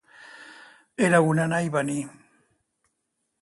Era un anar i venir.